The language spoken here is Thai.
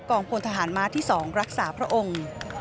พลทหารม้าที่๒รักษาพระองค์